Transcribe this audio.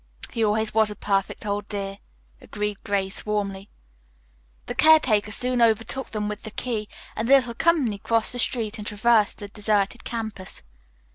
"He always was a perfect old dear," agreed Grace warmly. The caretaker soon overtook them with the key, and the little company crossed the street and traversed the deserted campus.